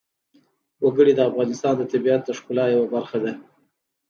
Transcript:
وګړي د افغانستان د طبیعت د ښکلا یوه مهمه برخه ده.